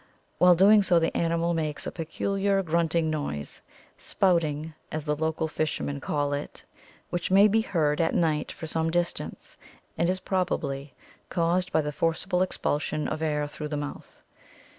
While doing so the animal makes a peculiar grunting noise, 'spout ing/ as the local fishermen call it, which may be heard at night for some distance, and is probably caused by the forcible expulsion of air through the mouth.